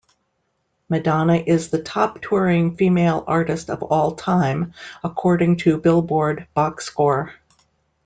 Madonna is the top touring female artist of all time according to "Billboard" Boxscore.